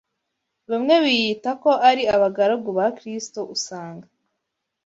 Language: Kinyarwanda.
Bamwe biyita ko ari abagaragu ba Kristo usanga